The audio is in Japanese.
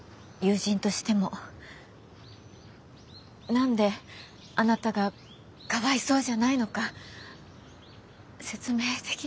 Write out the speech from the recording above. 何であなたがかわいそうじゃないのか説明できなくて。